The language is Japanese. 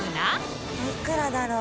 いくらだろう？